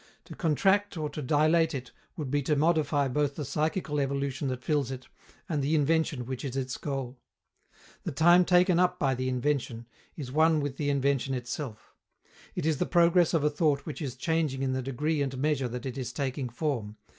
To contract or to dilate it would be to modify both the psychical evolution that fills it and the invention which is its goal. The time taken up by the invention, is one with the invention itself. It is the progress of a thought which is changing in the degree and measure that it is taking form.